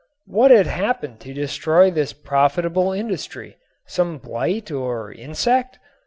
What had happened to destroy this profitable industry? Some blight or insect?